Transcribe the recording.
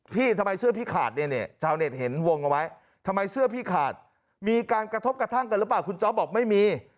ทำไมเสื้อพี่ขาดเนี่ยเนี่ยชาวเน็ตเห็นวงเอาไว้ทำไมเสื้อพี่ขาดมีการกระทบกระทั่งกันหรือเปล่าคุณจ๊อปบอกไม่มี